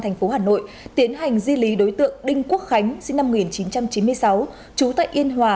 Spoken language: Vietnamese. thành phố hà nội tiến hành di lý đối tượng đinh quốc khánh sinh năm một nghìn chín trăm chín mươi sáu trú tại yên hòa